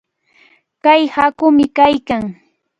Kay haakumi kaykan.